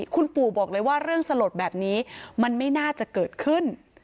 คุณปู่บอกเลยว่าเรื่องสลดแบบนี้มันไม่น่าจะเกิดขึ้น